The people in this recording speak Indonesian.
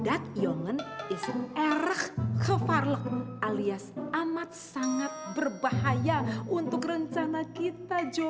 itu adalah kebohongan alias amat sangat berbahaya untuk rencana kita jo